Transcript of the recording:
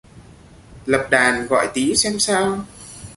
Lập đàn gọi tí xem sao